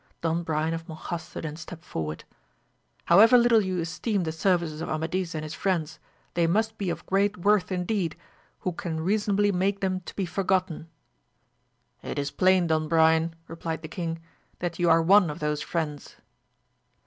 Don Brian of Monjaste then stept forward, However little you esteem the services of Amadis and his friends, they must be of great worth indeed who can reasonably make them to be forgotten. It is plain, Don Brian, replied the king, that you are one of those friends